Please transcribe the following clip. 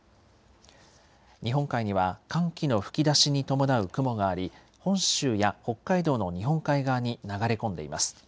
日本海には、寒気の吹き出しに伴う雲があり、本州や北海道の日本海側に流れ込んでいます。